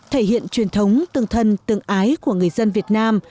thể hiện truyền thống tương thân tương ái của người dân việt nam